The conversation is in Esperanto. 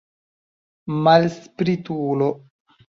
Malspritulo!